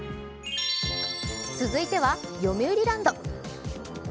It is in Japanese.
続いては、よみうりランド。